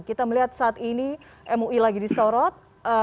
kita melihat saat ini mui lagi disorot